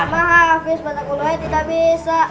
mama hafiz batakuluhai tidak bisa